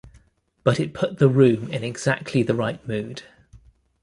But it put the room in exactly the right mood.